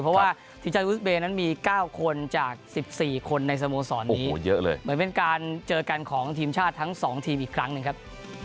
เพราะว่าทีใจวิกเบย์นั้นมี๙คนจาก๑๔คนในสโมสรนี้เยอะเลยเหมือนเป็นการเจอกันของทีมชาติทั้ง๒ทีมอีกครั้งหนึ่งครับ